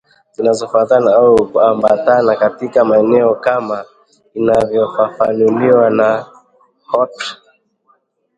zinazofuatana au kuambatana katika maneno kama inavyofafanuliwa na Hooper